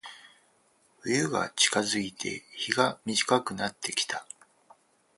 冬が近づいて、日が短くなってきた。